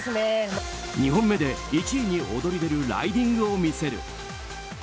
２本目で１位に躍り出るライディングを見せる。